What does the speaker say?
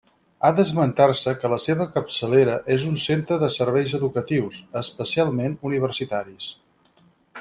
Ha d'esmentar-se que la seva capçalera és un centre de serveis educatius, especialment universitaris.